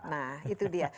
nah itu dia